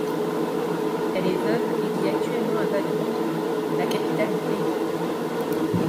Elle est veuve et vit actuellement à Vaduz, la capitale du pays.